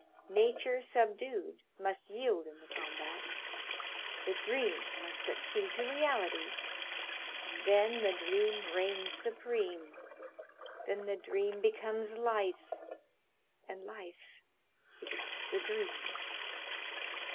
Nature subdued must yield in the combat, the dream must succeed to reality, and then the dream reigns supreme, then the dream becomes life, and life becomes the dream.